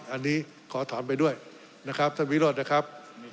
อันนี้ขอถอนไปด้วยนะครับท่านวิโรธนะครับ